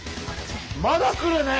まだ来るね！